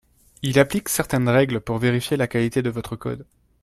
Il applique certaines règles pour vérifier la qualité de votre code